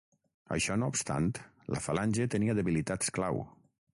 Això no obstant, la falange tenia debilitats clau.